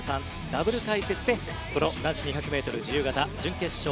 ダブル解説でこの男子２００ｍ自由形準決勝